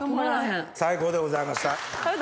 最高でございました。